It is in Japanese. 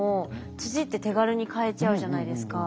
土って手軽に買えちゃうじゃないですか。